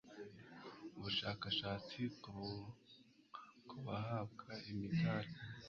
ubushakashatsi ku bahabwa imidari